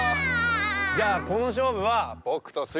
じゃあこのしょうぶはぼくとスイちゃんが。